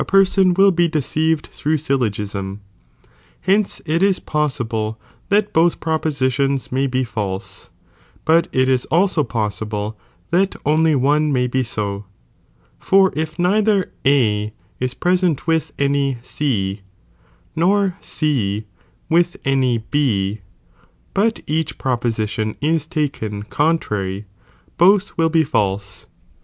person will be deceived through ayllogism. Hence it Is possible that both propositions may be false, but it is also possible that only one may be so, for if neither A is present with any C, nor C with any B, but each proposition is taken contrary, both will bo false.